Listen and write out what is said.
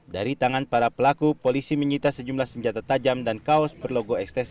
dari tangan para pelaku polisi menyita sejumlah senjata tajam dan kaos berlogo ekstasi